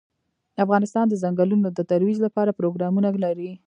افغانستان د ځنګلونه د ترویج لپاره پروګرامونه لري.